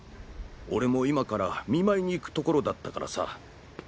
俺も今から見舞いに行くところだったからさ。